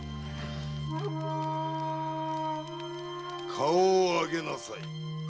顔を上げなさい。